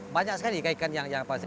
banyak sekali kayak ikan yang apa